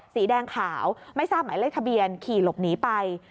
สีแดงขาวไม่ทราบหมายเลขทะเบียนขี่หลบหนีไป